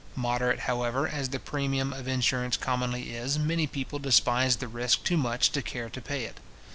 Moderate, however, as the premium of insurance commonly is, many people despise the risk too much to care to pay it.